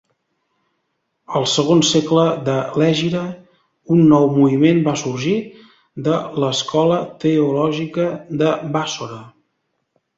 Al segon segle de l'Hègira, un nou moviment va sorgir de l'escola teològica de Bàssora.